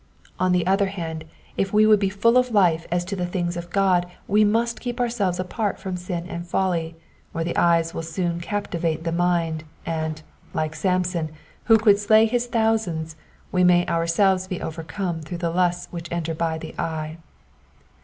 On the other hand, if we would be full of life as to the things of God we must keep ourselves apart from sin and folly, or the eyes will soon captivate the mind, and, like Samson, who could slay his thousands, we may ourselves be overcome through the lusts which enter by the eye.